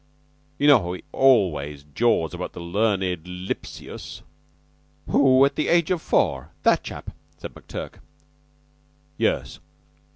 You know he always jaws about the learned Lipsius." "'Who at the age of four' that chap?" said McTurk. "Yes.